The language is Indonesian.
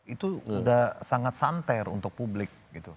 itu sudah sangat santer untuk publik